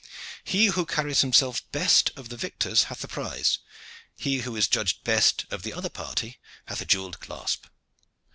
He who carries himself best of the victors hath the prize, and he who is judged best of the other party hath a jewelled clasp.